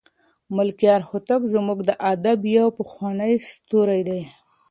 ملکیار هوتک زموږ د ادب یو پخوانی ستوری دی.